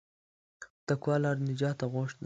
د تقوی لاره د نجات آغوش ده.